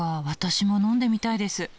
私も飲んでみたいです。